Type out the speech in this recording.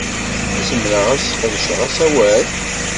Zemreɣ ad sqedceɣ asawal?